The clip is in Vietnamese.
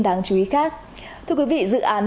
đáng chú ý khác thưa quý vị dự án